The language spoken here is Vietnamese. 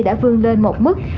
đã vương lên một mức